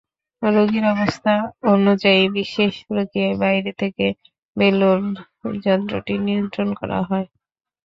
রোগীর অবস্থা অনুযায়ী বিশেষ প্রক্রিয়ায় বাইরে থেকে বেলুনযন্ত্রটি নিয়ন্ত্রণ করা হয়।